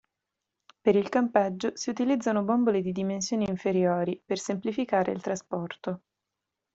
Per il campeggio si utilizzano bombole di dimensioni inferiori, per semplificare il trasporto.